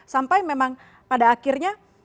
sampai memang pada akhirnya